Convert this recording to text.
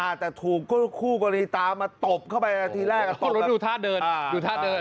อ่าแต่ถูกก็คู่กวลิตามาตบเข้าไปในค่ณะที่แรกก็ตบแบบสิคนรถอยู่ท่าเดินอ่าอยู่ท่าเดิน